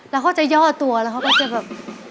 แล้วเขาจะย่อตัวแล้วเขาก็จะแบบ